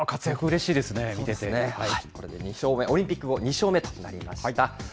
これで２勝目、オリンピック後、２勝目となりました。